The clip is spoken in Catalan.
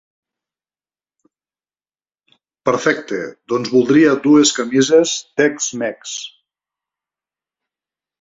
Perfecte, doncs voldria dues camises Tex Mex.